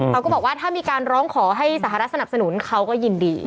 เขาก็บอกว่าถ้ามีการร้องขอให้สหรัฐสนับสนุนเขาก็ยินดี